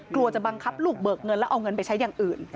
กลัวจะบังคับลูกเบิกเงินแล้วเอาเงินไปใช้อย่างอื่น